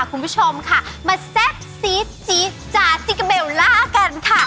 คุณผู้ชมค่ะมาแซ่บซีดจ๊ะจิกาเบลล่ากันค่ะ